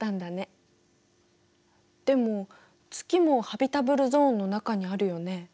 でも月もハビタブルゾーンの中にあるよね。